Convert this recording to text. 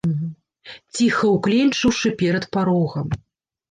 Ціха ўкленчыўшы перад парогам.